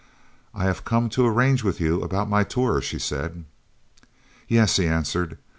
"I have come to arrange with you about my tour," she said. "Yes," he answered.